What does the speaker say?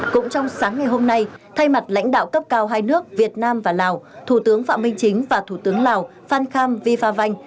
cũng trong sáng ngày hôm nay thay mặt lãnh đạo cấp cao hai nước việt nam và lào thủ tướng phạm minh chính và thủ tướng lào phan kham vi pha vanh